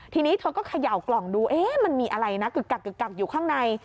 ทีนี้เธอก็เขย่ากล่องดูเอ๊ะมันมีอะไรนะกึกกักกึกกักอยู่ข้างใน